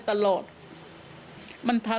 กลัวโดนตีอ้าว